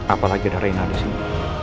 apalagi ada reina di sini